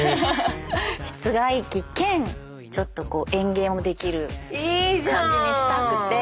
⁉室外機兼ちょっとこう園芸もできる感じにしたくて。